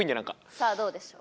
さあどうでしょう？